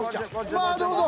まあどうぞ。